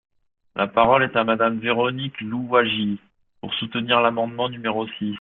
La parole est à Madame Véronique Louwagie, pour soutenir l’amendement numéro six.